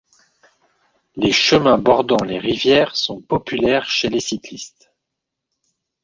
Les chemins bordant les rivières sont populaires chez les cyclistes.